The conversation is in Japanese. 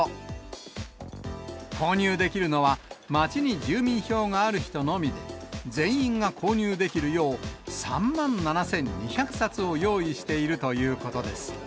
購入できるのは、町に住民票がある人のみで、全員が購入できるよう、３万７２００冊を用意しているということです。